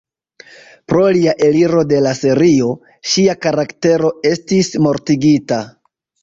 Pro lia eliro de la serio, ŝia karaktero estis mortigita.